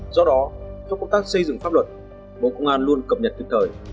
do đó trong công tác xây dựng pháp luật bộ công an luôn cập nhật kịp thời